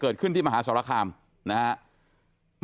เกิดขึ้นที่มหาสรคามนะครับ